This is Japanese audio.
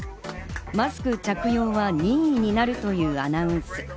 マスク着用は任意になるというアナウンス。